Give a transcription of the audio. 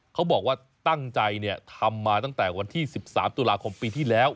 เขาบอกว่าตั้งใจทำมาตั้งแต่วันที่๑๓ตุลาคมปีที่แล้ว